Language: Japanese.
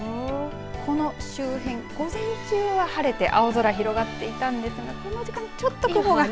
この周辺、午前中は晴れて青空、広がっていたんですがこの時間ちょっと雲が。